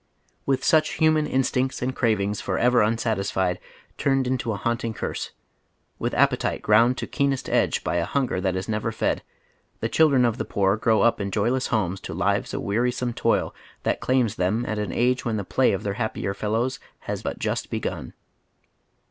With such human instincts and cravings, forever unsat isfied, turned into a haunting curse ; with appetite ground to keenest edge by a hunger tliat is never fed, the chil dren of the poor grow up in joyless homes to lives of wearisome toil that claims tiiem at an age when the play of their happier fellows has but just begun.